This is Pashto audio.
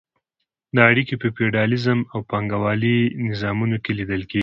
دا اړیکې په فیوډالیزم او پانګوالۍ نظامونو کې لیدل کیږي.